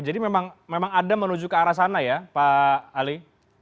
jadi memang ada menuju ke arah sana ya pak ali